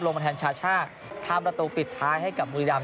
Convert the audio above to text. มาแทนชาช่าทำประตูปิดท้ายให้กับบุรีรำ